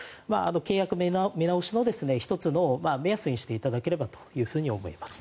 契約見直しの１つの目安にしていただければと思います。